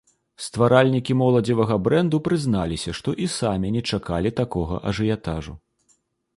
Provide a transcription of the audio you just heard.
Стваральнікі моладзевага брэнду прызналіся, што і самі не чакалі такога ажыятажу.